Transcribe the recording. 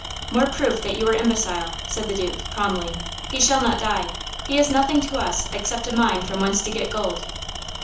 "More proof that you are imbecile," said the Duke, calmly. "He shall not die. He is nothing to us except a mine from whence to get gold."